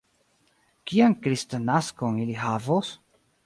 Kian kristnaskon ili havos?